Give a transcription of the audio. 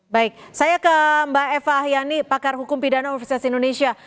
baik saya ke mbak eva hayani pakar hukum pidana universitas indonesia